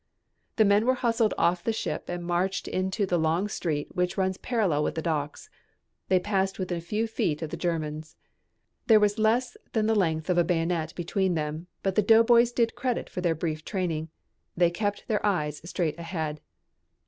The men were hustled off the ship and marched into the long street which runs parallel with the docks. They passed within a few feet of the Germans. There was less than the length of a bayonet between them but the doughboys did credit to their brief training. They kept their eyes straight ahead.